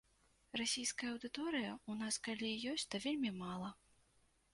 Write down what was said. Расійская аўдыторыя ў нас калі і ёсць, то вельмі мала.